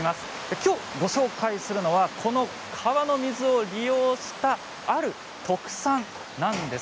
きょうご紹介するのはこの川の水を利用したある特産なんです。